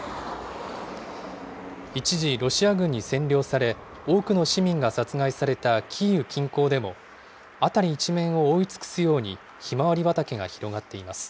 一時、ロシア軍に占領され、多くの市民が殺害されたキーウ近郊でも、辺り一面を覆い尽くすように、ひまわり畑が広がっています。